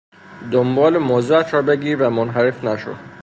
دنبال موضوعت را بگیر و منحرف نشو!